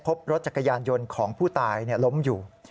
พบรถจักรยานยนต์ของผู้ตายล้มอยู่